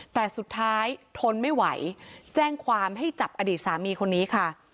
แต่สุดท้ายทนไม่ไหวแจ้งความให้จับอดีตสามีคนนี้ค่ะ